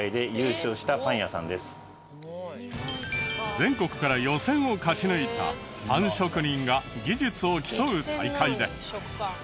全国から予選を勝ち抜いたパン職人が技術を競う大会で。